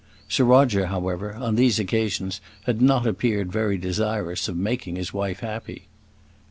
Sir Roger, however, on these occasions had not appeared very desirous of making his wife happy.